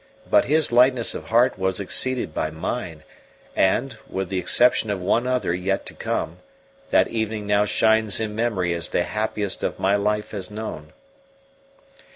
But his lightness of heart was exceeded by mine; and, with the exception of one other yet to come, that evening now shines in memory as the happiest my life has known.